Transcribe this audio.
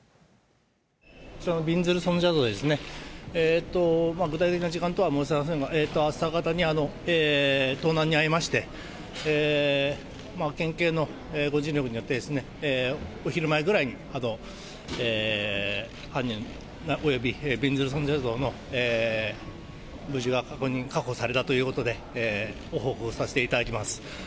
こちらのびんずる尊者像ですね、具体的な時間等は申せませんが、朝方に盗難に遭いまして、県警のご尽力によって、お昼前ぐらいに、犯人、およびびんずる尊者像の無事が確認、確保されたということで、ご報告させていただきます。